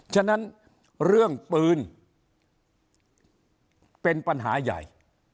ฉะนั้นเรื่องปืนเป็นปัญหาใหญ่